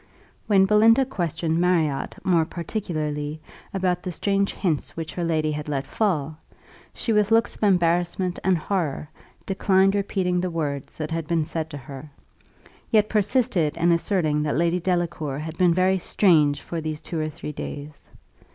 When Belinda questioned Marriott more particularly about the strange hints which her lady had let fall, she with looks of embarrassment and horror declined repeating the words that had been said to her; yet persisted in asserting that Lady Delacour had been very strange for these two or three days.